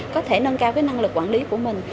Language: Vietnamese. có thể nâng cao cái năng lực quản lý của mình